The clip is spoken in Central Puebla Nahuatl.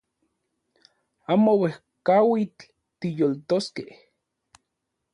Amo uejkauitl tiyoltoskej